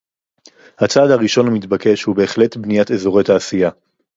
הצעד הראשון המתבקש הוא בהחלט בניית אזורי תעשייה